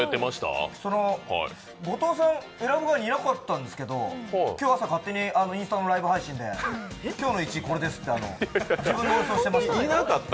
後藤さん、選ぶ側にいなかったんですけど、今日朝勝手にインスタのライブ配信で、今日の１位これですって、自分の予想してました。